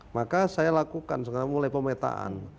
maka saya lakukan sekarang mulai pemetaan